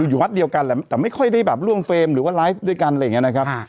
อยู่ฮัศเดียวก่อนแต่ไม่ค่อยได้ล่วงเฟรมหรือว่าไลฟ์ด้วยกันว่าอย่างนี้นะครับ